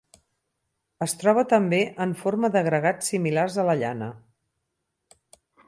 Es troba també en forma d'agregats similars a la llana.